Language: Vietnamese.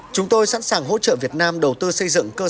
chúng tôi sẵn sàng hỗ trợ việt nam đầu tư xây dựng cơ sở